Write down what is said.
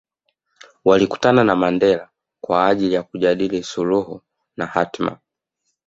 Walikutana na Mandela kwa ajili kujadili suluhu na hatma